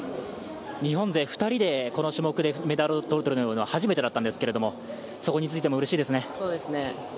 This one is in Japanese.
日本勢２人でこの種目でメダルを取るのは初めてだったんですけどそこについてもうれしいですね。